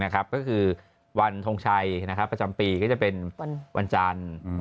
ก็คือวันทงชัยประจำปีก็จะเป็นวันจันทร์